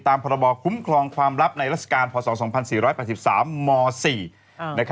พรบคุ้มครองความลับในราชการพศ๒๔๘๓ม๔